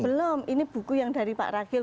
belum ini buku yang dari pak ragil